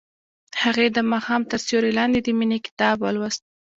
هغې د ماښام تر سیوري لاندې د مینې کتاب ولوست.